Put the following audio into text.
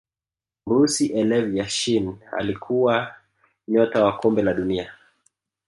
mrusi elev Yashin Alikuwa nyota wa kombe la dunia